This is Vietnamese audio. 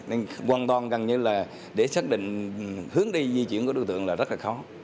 nên hoàn toàn gần như là để xác định hướng đi di chuyển của đối tượng là rất là khó